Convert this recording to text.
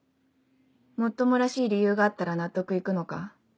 もっともらしい理由があったら納得行くのか？